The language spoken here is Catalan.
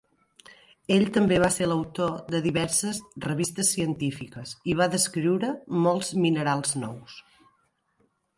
Ell també va ser l"autor de diverses revistes científiques i va descriure molts minerals nous.